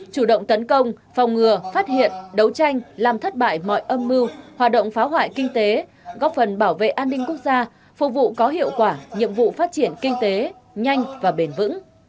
chủ động tấn công phòng ngừa phát hiện đấu tranh làm thất bại mọi âm mưu hoạt động phá hoại kinh tế góp phần bảo vệ an ninh quốc gia phục vụ có hiệu quả nhiệm vụ phát triển kinh tế nhanh và bền vững